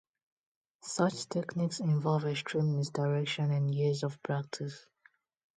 Such techniques involve extreme misdirection and years of practice.